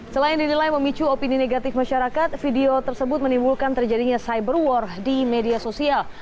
selain dinilai memicu opini negatif masyarakat video tersebut menimbulkan terjadinya cyber war di media sosial